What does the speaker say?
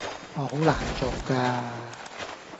我好難做㗎